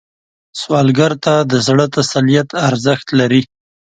سوالګر ته د زړه تسلیت ارزښت لري